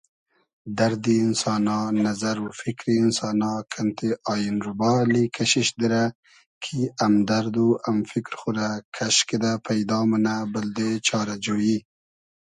دئردی اینسانا ، نئزئر و فیکری اینسانا کئنتې آین روبا اللی کئشیش دیرۂ کی امدئرد و ام فیکر خو رۂ کئش کیدۂ پݷدا مونۂ بئلدې چارۂ جۉیی